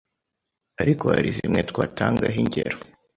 ariko hari zimwe twatangaho ingero